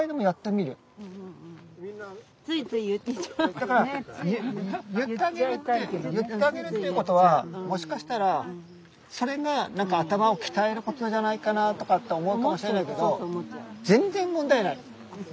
だから言ってあげるっていうことはもしかしたらそれが何か頭を鍛えることじゃないかなとかって思うかもしれないけど全然問題ない。